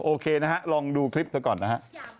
โอเคนะฮะลองดูคลิปเธอก่อนนะฮะ